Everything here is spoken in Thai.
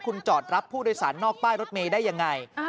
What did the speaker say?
คุณจอดรับผู้โดยสารนอกป้ายรถเมย์ได้ยังไง